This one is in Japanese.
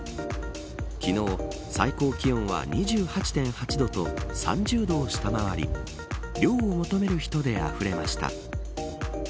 昨日、最高気温は２８．８度と３０度を下回り涼を求める人であふれました。